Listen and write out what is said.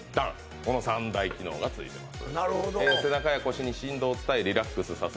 この三大機能がついてます